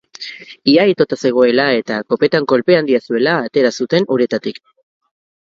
Ia itota zegoela eta kopetan kolpe handia zuela atera zuten uretatik.